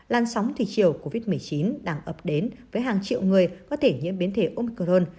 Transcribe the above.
làn sóng thịt chiều covid một mươi chín đang ập đến với hàng triệu người có thể nhiễm biến thể omicron